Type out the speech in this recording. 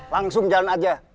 langsung jalan aja